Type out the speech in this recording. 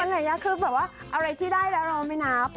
มันแหล่งยากคือแบบว่าอะไรที่ได้แล้วเราไม่นับ